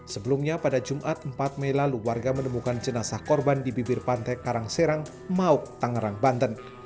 sebelumnya pada jumat empat mei lalu warga menemukan jenazah korban di bibir pantai karangserang mauk tangerang banten